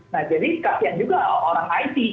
nah jadi kasian juga orang it